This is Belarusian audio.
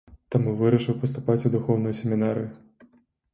Таму вырашыў паступаць у духоўную семінарыю.